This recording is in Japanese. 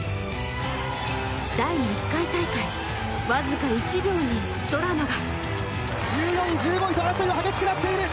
第１回大会、僅か１秒にドラマが。